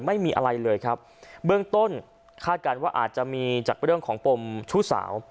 ไม่มีอะไรเลยครับเบื้องต้นคาดการณ์ว่าอาจจะมีจากเรื่องของปมชู้สาว